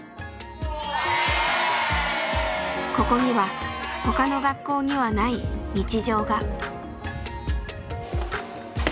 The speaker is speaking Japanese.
ここには他の学校にはない日常が。